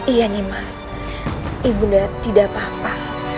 iya nimas ibu nda tidak apa apa